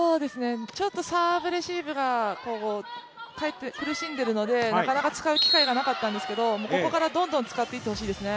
サーブレシーブが苦しんでいるのでなかなか使う機会がなかったんですけど、ここからどんどん使っていってほしいですね。